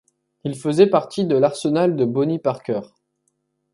Il faisait partie de l'arsenal de Bonnie Parker.